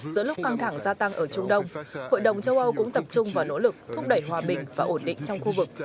giữa lúc căng thẳng gia tăng ở trung đông hội đồng châu âu cũng tập trung vào nỗ lực thúc đẩy hòa bình và ổn định trong khu vực